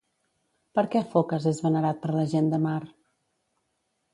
Per què Focas és venerat per la gent de mar?